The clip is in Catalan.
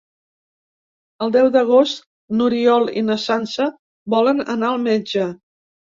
El deu d'agost n'Oriol i na Sança volen anar al metge.